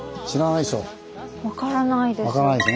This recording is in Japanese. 分からないです。